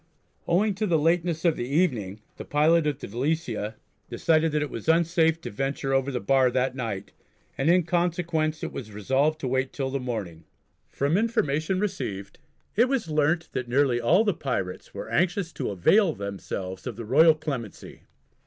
Owing to the lateness of the evening the pilot of the Delicia decided that it was unsafe to venture over the bar that night, and in consequence it was resolved to wait till the morning. From information received it was learnt that nearly all the pirates are anxious to avail themselves of the royal clemency.